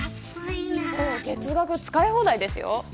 月額使い放題ですよ。